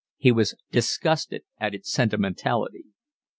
He was disgusted at its sentimentality.